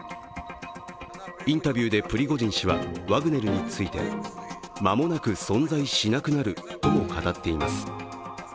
インタビューで、プリゴジン氏はワグネルについて間もなく存在しなくなるとも語っています。